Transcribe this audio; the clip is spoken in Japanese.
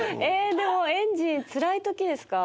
でもエンジンつらいときですか。